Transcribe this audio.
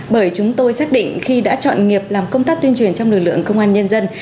bởi chúng tôi xác định khi đã chọn nghiệp làm công tác tuyên truyền trong lực lượng công an nhân dân